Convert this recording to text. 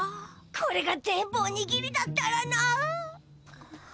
これが全部おにぎりだったらなあ。